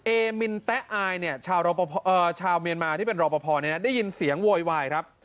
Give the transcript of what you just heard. เอมินแต๊ะอายเนี่ยชาวเมียนมาที่เป็นรอปภได้ยินเสียงโวยวายครับ